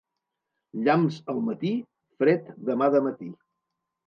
Llamps al matí, fred demà de matí.